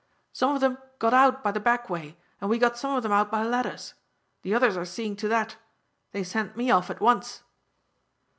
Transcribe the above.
"Some of them got out by the back way, and we got some of them out by ladders. The others are seeing to that. They sent me off at once."